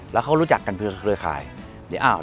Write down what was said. แล้วเค้ารู้จักกันเพื่อข้าวคลิกถ่าย